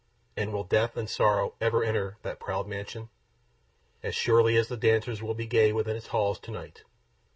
And will Death and Sorrow ever enter that proud mansion? As surely as the dancers will be gay within its halls to night.